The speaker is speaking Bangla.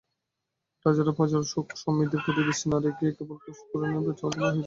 রাজারা প্রজার সুখ সমৃদ্ধির প্রতি দৃষ্টি না রাখিয়া কেবল কোষপরিপূরণে যত্নবান হইয়াছেন।